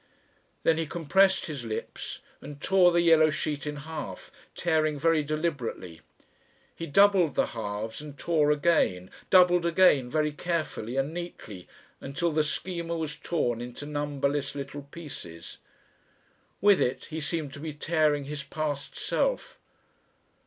Then he compressed his lips and tore the yellow sheet in half, tearing very deliberately. He doubled the halves and tore again, doubled again very carefully and neatly until the Schema was torn into numberless little pieces. With it he seemed to be tearing his past self.